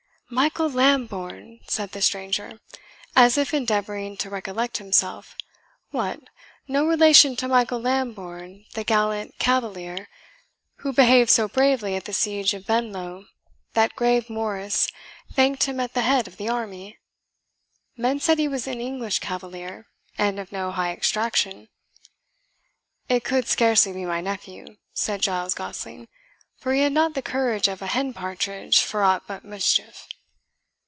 "Michael Lambourne!" said the stranger, as if endeavouring to recollect himself "what, no relation to Michael Lambourne, the gallant cavalier who behaved so bravely at the siege of Venlo that Grave Maurice thanked him at the head of the army? Men said he was an English cavalier, and of no high extraction." "It could scarcely be my nephew," said Giles Gosling, "for he had not the courage of a hen partridge for aught but mischief."